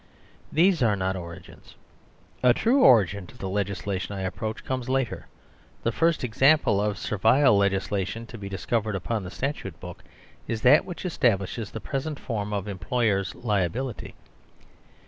These are not origins. A true origin to the legis lation I approach comes later. The first example of servile legislation to be discovered upon the Statute Book is that which establishes the present form of Employer s Liability.